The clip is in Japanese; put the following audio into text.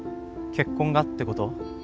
結婚がってこと？